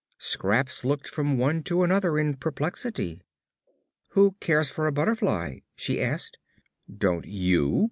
Scraps looked from one to another in perplexity. "Who cares for a butterfly?" she asked. "Don't you?"